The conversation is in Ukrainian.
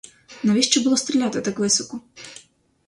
Навіщо було стріляти так високо?